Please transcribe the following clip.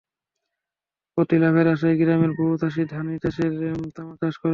অতি লাভের আশায় গ্রামের বহু চাষি ধানি জমিতে তামাক চাষ করছেন।